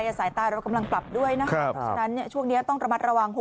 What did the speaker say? สายตาเรากำลังปรับด้วยนะครับเพราะฉะนั้นช่วงนี้ต้องระมัดระวัง